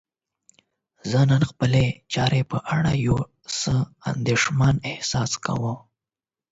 زه نن د خپل کار په اړه یو څه اندیښمن احساس کوم.